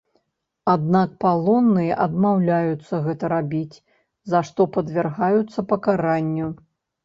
Аднак палонныя адмаўляюцца гэта рабіць, за што падвяргаюцца пакаранню.